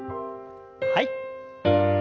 はい。